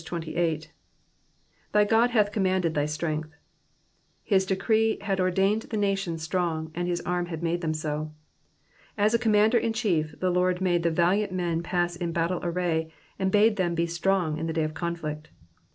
*TAy God hath commanded thy strength,'*^ His decree had ordained the nation strong, and his arm had made them so. As a commander in chief, the Lord made the valiant men pass in battle array, and bade them be strong in the day of conflict.